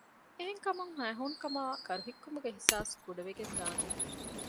އެހެންކަމުން ހައިހޫނުކަމާއި ކަރުހިއްކުމުގެ އިޙްސާސް ކުޑަވެގެންދާނެ